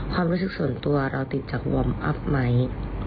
ความรู้สึกส่วนตัวเราติดจากวอร์มอัพไหม